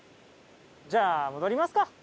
じゃあ戻りますか。